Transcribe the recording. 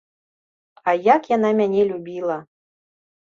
А як яна мяне любіла!